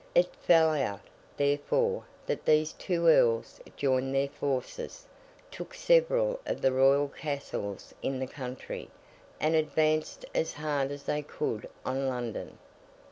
It fell out, therefore, that these two Earls joined their forces, took several of the Royal Castles in the country, and advanced as hard as they could on London.